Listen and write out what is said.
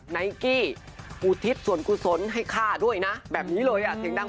นายกี้ออุทิศส่วนกุศลให้ข้าด้วยนะแบบนี้เลยอ่ะเสียงดัง